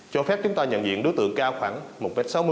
cho phép chúng ta nhận diện đối tượng cao khoảng một sáu mươi